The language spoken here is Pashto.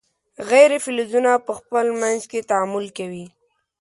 غیر فلزونه په خپل منځ کې تعامل کوي.